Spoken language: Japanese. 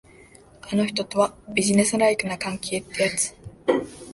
あの人とは、ビジネスライクな関係ってやつ。